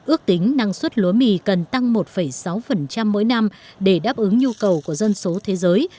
ước tính năng suất lúa mì cần tăng một sáu mỗi năm để đáp ứng nhu cầu của dân số thế giới